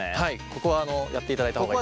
ここはやっていただいた方が。